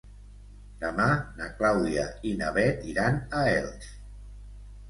Demà na Clàudia i na Bet iran a Elx.